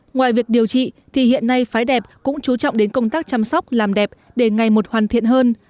ngoài việc điều trị thì hiện nay phái đẹp cũng chú trọng đến công tác chăm sóc làm đẹp để ngày một hoàn thiện hơn